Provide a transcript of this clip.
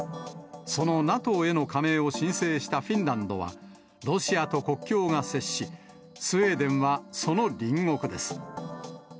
そのＮＡＴＯへの加盟を申請したフィンランドは、ロシアと国境が接し、スウェーデンはその隣国です。